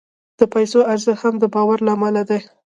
د پیسو ارزښت هم د باور له امله دی.